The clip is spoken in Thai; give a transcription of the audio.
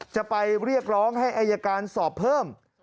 จะไปเรียกร้องให้อายการสอบเพิ่ม